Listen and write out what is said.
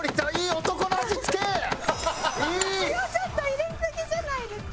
塩ちょっと入れすぎじゃないですか？